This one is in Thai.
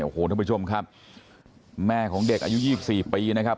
โอ้โหท่านผู้ชมครับแม่ของเด็กอายุ๒๔ปีนะครับ